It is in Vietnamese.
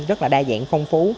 rất là đa dạng phong phú